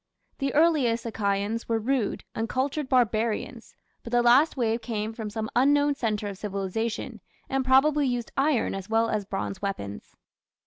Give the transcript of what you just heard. The earliest Achaeans were rude, uncultured barbarians, but the last wave came from some unknown centre of civilization, and probably used iron as well as bronze weapons.